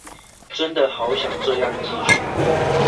真的好想這樣繼續